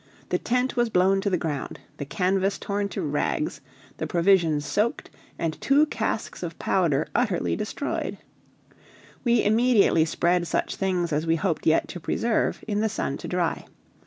The tent was blown to the ground, the canvas torn to rags, the provisions soaked, and two casks of powder utterly destroyed. We immediately spread such things as we hoped yet to preserve in the sun to dry.